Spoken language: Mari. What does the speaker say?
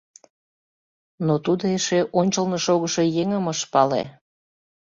Но тудо эше ончылно шогышо еҥым ыш пале.